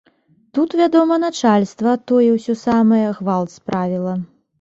Тут, вядома, начальства, тое ўсё самае, гвалт справіла.